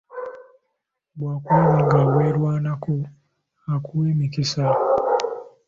Bwakulaba nga weerwanako akuwa emikisa.